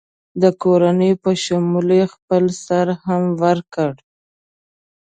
د کورنۍ په شمول یې خپل سر هم ورکړ.